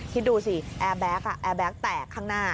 คิดดูสิแอร์แบ็คแอร์แบ็คแตกข้างหน้า